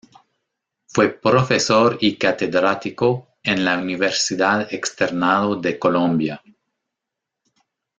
Fue profesor y catedrático en la Universidad Externado de Colombia.